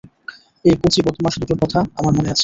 এই কচি বদমাশ দুটোর কথা আমার মনে আছে।